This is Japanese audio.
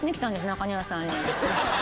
中庭さんに。